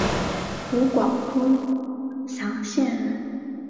湖广钟祥县人。